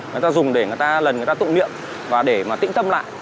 người ta dùng để lần người ta tụng niệm và để tĩnh tâm lại